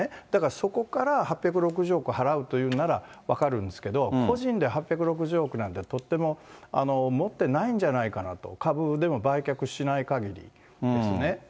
だからそこから８６０億払うと言うならば、分かるんですけど、個人で８６０億なんてとっても持ってないんじゃないかなと、株でも売却しないかぎりですね。